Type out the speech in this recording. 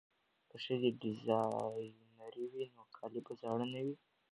که ښځې ډیزاینرې وي نو کالي به زاړه نه وي.